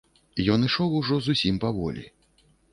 Ён ішоў ужо зусім паволі.